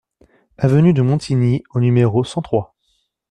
Avenue de Montigny au numéro cent trois